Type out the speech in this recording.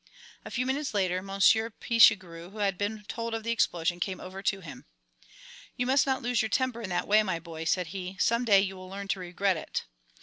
A few minutes later Monsieur Pichegru, who had been told of the explosion, came over to him. "You must not lose your temper in that way, my boy," said he. "Some day you will learn to regret it."